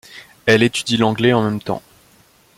Elle étudie l'anglais en même temps.